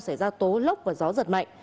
sẽ ra tố lốc và gió giật mạnh